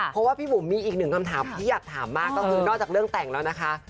เพราะว่าพี่บุ๋มมีอีกหนึ่งคำถามที่อยากถามมากก็คือนอกจากเรื่องแต่งแล้วนะคะ